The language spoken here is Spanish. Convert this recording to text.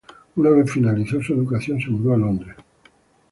Una vez finalizó su educación, se mudó a Londres.